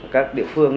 các địa phương